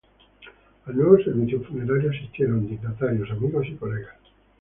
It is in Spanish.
Al nuevo servicio funerario asistieron dignatarios, amigos y colegas.